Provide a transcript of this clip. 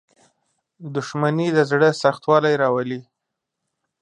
• دښمني د زړه سختوالی راولي.